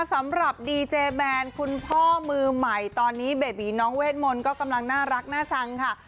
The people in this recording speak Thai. สำหรับดีเจแมนคุณพ่อมือใหม่ตอนนี้เบบีน้องเวทมนต์ก็กำลังน่ารักน่าชังค่ะ